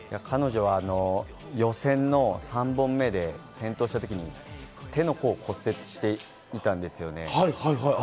彼女は予選の３本目で転倒したときに、手の甲を骨折していたんですよね。